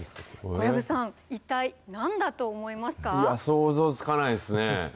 小籔さん、一体なんだと思いますうわ、想像つかないですね。